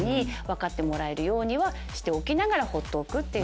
分かってもらえるようにはしておきながらほっておく。